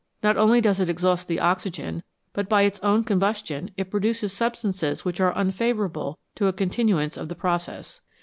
Not only does it exhaust the oxygen, but by its own combustion it pro duces substances which are unfavourable to a continuance of the process.